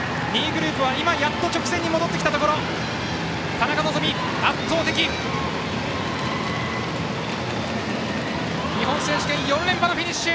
田中希実、圧倒的日本選手権４連覇のフィニッシュ！